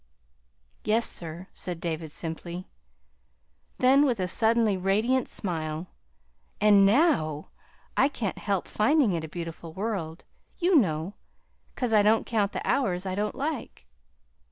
"Yes, sir," said David simply. Then, with a suddenly radiant smile: "And NOW I can't help finding it a beautiful world, you know, 'cause I don't count the hours I don't like."